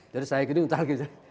jadi saya gini untar gini